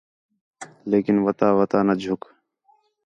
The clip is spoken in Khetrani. لیکن وَتا وَتا نہ جُھک